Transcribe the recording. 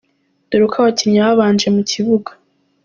Dore uko abakinnyi babanje mu kibuga.